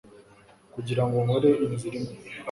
kugira ngo nkore inzira imwe